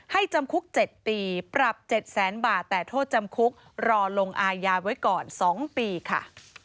จำคุก๗ปีปรับ๗แสนบาทแต่โทษจำคุกรอลงอายาไว้ก่อน๒ปีค่ะ